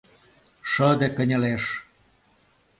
Шыде кынелеш.